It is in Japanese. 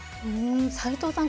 齊藤さん